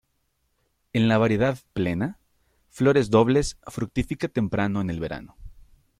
En la variedad "plena": flores dobles; fructifica temprano en el verano.